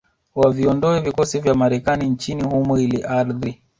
waviondoe vikosi vya Marekani nchini humo ili ardhi